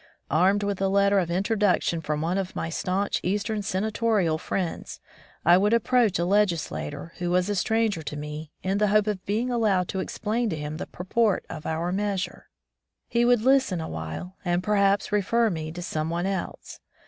Armed with a letter of introduction from one of my staunch eastern senatorial friends, I would approach a legis lator who was a stranger to me, in the hope of being allowed to explain to him the pur port of our measure. He would listen a while and perhaps refer me to some one else.